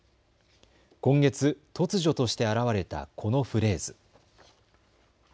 今月突如として現れたこのフレーズ。＃